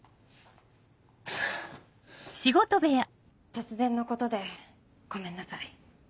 突然のことでごめんなさい。